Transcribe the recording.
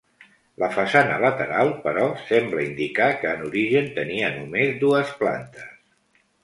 La façana lateral, però, sembla indicar que en origen tenia només dues plantes.